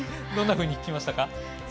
どんなふうに聞きましたか。